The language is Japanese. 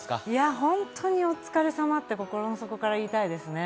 本当に、お疲れさまって心の底から言いたいです。